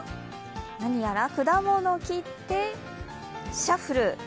何やら果物を切って、シャッフル。